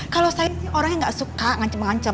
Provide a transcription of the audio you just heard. kalau saya orang yang gak suka ngancem ngancem